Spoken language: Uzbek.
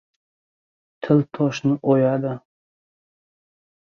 • Til toshni o‘yadi.